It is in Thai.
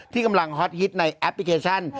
ที่กำลังฮอตฮิตในแอปพลิเคชัน